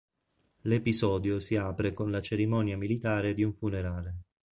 L'episodio si apre con la cerimonia militare di un funerale.